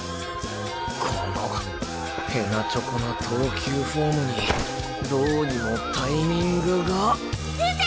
このへなちょこな投球フォームにどうにもタイミングが打て！